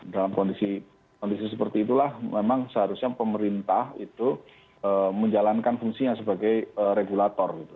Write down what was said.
dalam kondisi seperti itulah memang seharusnya pemerintah itu menjalankan fungsinya sebagai regulator gitu